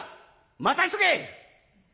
「待たしとけ！」。